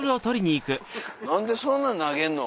何でそんな投げんの？